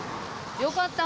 よかった。